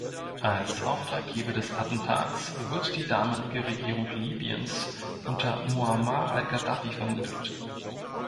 Als Auftraggeber des Attentats wird die damalige Regierung Libyens unter Muammar al-Gaddafi vermutet.